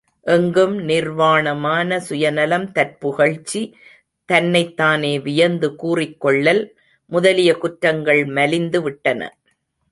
எங்கும் நிர்வாணமான சுயநலம் தற்புகழ்ச்சி தன்னைத்தானே வியந்து கூறிக் கொள்ளல், முதலிய குற்றங்கள் மலிந்துவிட்டன.